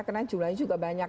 karena jumlahnya juga banyak